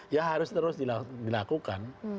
ya harus terus dilakukan